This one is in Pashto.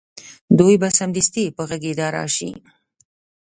دوی به سمدستي په غږېدا راشي